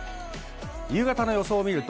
夕方の予想です。